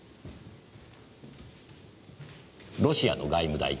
ロシアの外務大臣？